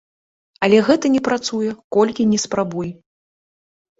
Але гэта не працуе, колькі ні спрабуй!